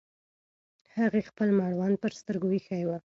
هغې خپل مړوند پر سترګو ایښی و.